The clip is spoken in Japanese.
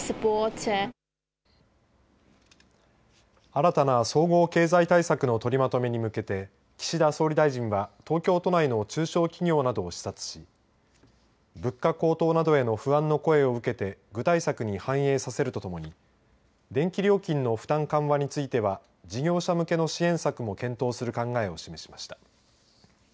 新たな総合経済対策の取りまとめに向けて岸田総理大臣は東京都内の中小企業などを視察し物価高騰などへの不安の声を受けて具体策に反映をさせるとし電気料金の負担緩和については事業者向けの支援策も検討する考えを示しました。